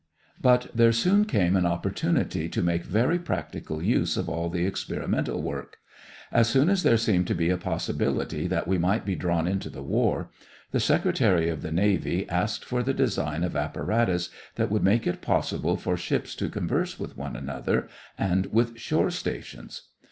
But there soon came an opportunity to make very practical use of all the experimental work. As soon as there seemed to be a possibility that we might be drawn into the war, the Secretary of the Navy asked for the design of apparatus that would make it possible for ships to converse with one another and with shore stations.